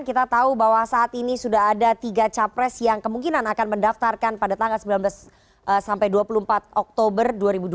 kita tahu bahwa saat ini sudah ada tiga capres yang kemungkinan akan mendaftarkan pada tanggal sembilan belas sampai dua puluh empat oktober dua ribu dua puluh